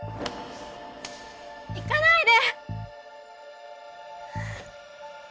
行かないで！